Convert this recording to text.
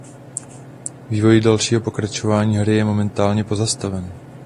Vývoj dalšího pokračování hry je momentálně pozastaven.